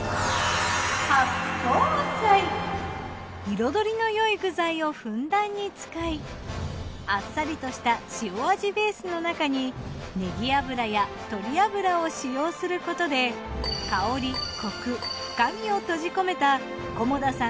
彩りのよい具材をふんだんに使いあっさりとした塩味ベースの中にネギ油や鶏油を使用することで香りコク深みを閉じ込めた菰田さん